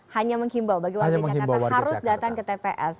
hanya menghimbau bagi warga jakarta harus datang ke tps